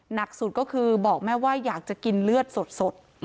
หนักสุดก็คือบอกแม่ว่าอยากจะกินเลือดสด